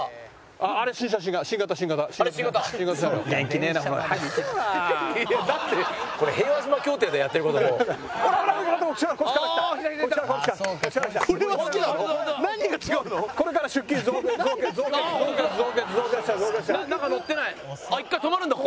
あっ１回止まるんだここで。